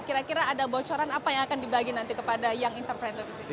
kira kira ada bocoran apa yang akan dibagi nanti kepada young entrepreneur di sini